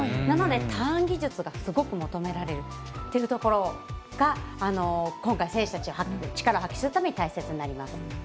なので、ターン技術がすごく求められるというところが今回、選手たちが力を発揮するために大切になります。